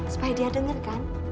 supaya dia denger kan